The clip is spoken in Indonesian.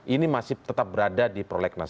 ini masih tetap berada di prolegnas